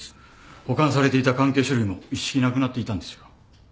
保管されていた関係書類も一式なくなっていたんですよ。